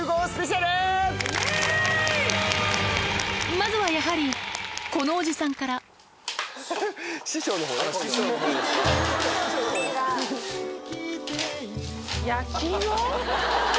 まずはやはりこのおじさんから焼き芋？